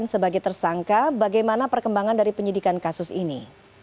sebagai tersangka bagaimana perkembangan dari penyidikan kasus ini